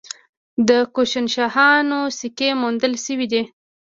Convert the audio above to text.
د کوشانشاهانو سکې موندل شوي دي